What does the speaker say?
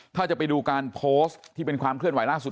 ถ้าจะไปดูการโพสต์ที่เป็นความเคลื่อนไหวล่าสุด